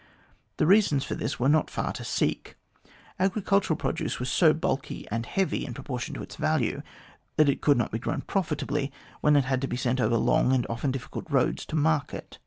The reasons for this were not far to seek. Agricultural produce was so bulky and heavy in proportion to its value that it could not be grown profitably when it had to be sent over long and often difficult roads to market.